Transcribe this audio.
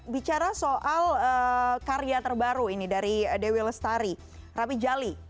bicara soal karya terbaru ini dari dewi lestari rapi jali